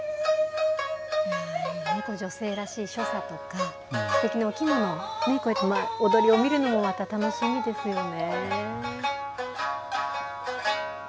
女性らしい所作とか、すてきなお着物、こういった踊りを見るのもまた楽しみですよね。